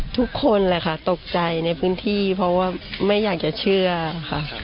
ทุกคนแหละค่ะตกใจในพื้นที่เพราะว่าไม่อยากจะเชื่อค่ะ